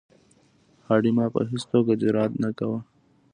هډې ملا په هیڅ توګه جرأت نه کاوه.